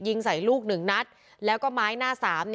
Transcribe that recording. ยิงใส่ลูก๑นัดแล้วก็ไม้หน้าสาม